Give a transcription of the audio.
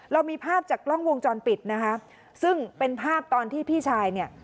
เรามีภาพจากกล้องวงจรปิดนะคะซึ่งเป็นภาพตอนที่พี่ชายเนี่ย